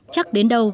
chắc đến đâu